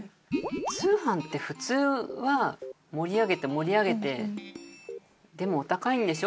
通販って普通は盛り上げて盛り上げて「でもお高いんでしょ？」